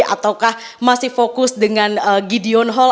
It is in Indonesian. ataukah masih fokus dengan gideon hall